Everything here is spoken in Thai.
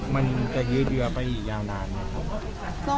มันจะยืดเยื้อไปอีกยาวนานไหมครับ